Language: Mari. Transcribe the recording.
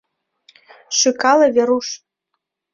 - шӱкале Веруш.